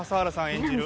演じる